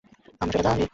আমরা সেটা জানি।